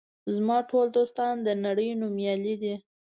زما ټول دوستان د نړۍ نومیالي دي.